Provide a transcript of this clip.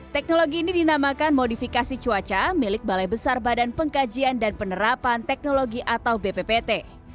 teknologi ini dinamakan modifikasi cuaca milik balai besar badan pengkajian dan penerapan teknologi atau bppt